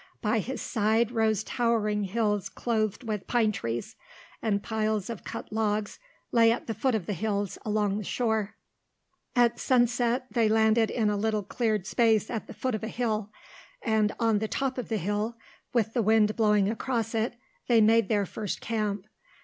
By his side rose towering hills clothed with pine trees, and piles of cut logs lay at the foot of the hills along the shore. At sunset they landed in a little cleared space at the foot of a hill and on the top of the hill, with the wind blowing across it, they made their first camp.